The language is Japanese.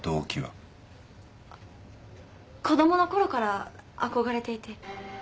子供のころから憧れていて。